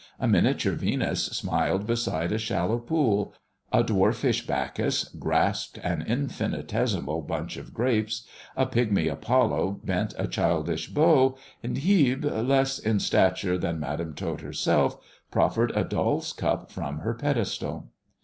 A miniature Yenus smiled beside a shallow pool, a dwarfish Bacchus grasped an infinitesimal bunch of grapes, a pigmy Apollo bent a childish bow, and Hebe, less in stature than Madam Tot herself, proffered a dolFs cup from her pedestal.